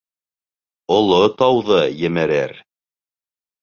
Оло тауҙы емерер!